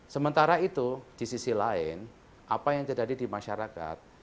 sementara itu di sisi lain apa yang terjadi di masyarakat